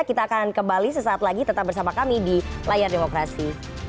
kita akan kembali sesaat lagi tetap bersama kami di layar demokrasi